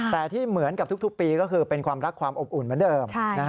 แต่ที่เหมือนกับทุกปีก็คือเป็นความรักความอบอุ่นเหมือนเดิม